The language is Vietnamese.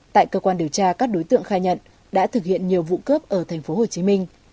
tại cơ quan điều tra các đối tượng khai nhận đã thực hiện nhiều vụ cướp ở thành phố hồ chí minh